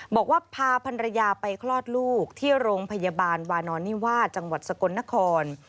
บอกว่าพาพันรยาไปคลอดลูกที่โรงพยาบาลวานอนนิวาสจังหวัดสกลนคร